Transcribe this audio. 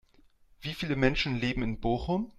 Wie viele Menschen leben in Bochum?